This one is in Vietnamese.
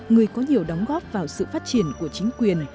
người có nhiều đóng góp vào sự phát triển của chính quyền